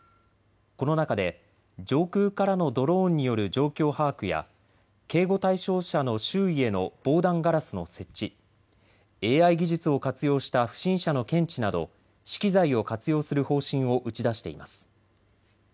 この中で上空からのドローンによる状況把握や警護対象者の周囲への防弾ガラスの設置、ＡＩ技術を活用した不審者の検知など資機材を活用する方針を打ち出しています。